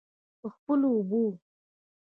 په خپلو اوبو.